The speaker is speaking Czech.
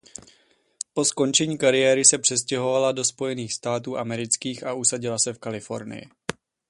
Po skončení kariéry se přestěhovala do Spojených států amerických a usadila se v Kalifornii.